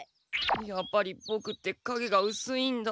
やっぱりボクってかげがうすいんだ。